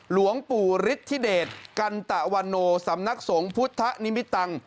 หลวงปู่ฤทธิเดชกันตะวันโนสำนักสงฆ์พุทธนิมิตัง